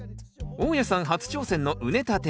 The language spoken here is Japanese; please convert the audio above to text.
大家さん初挑戦の畝立て。